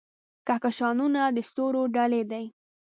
کهکشانونه د ستورو ډلې دي.